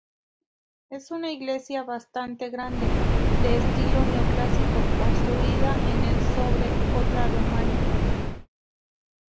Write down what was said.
Es una iglesia bastante grande, de estilo neoclásico construida en el sobre otra románica.